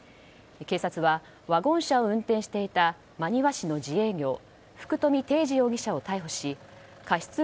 警察は、ワゴン車を運転していた真庭市の自営業福冨禎司容疑者を逮捕し過失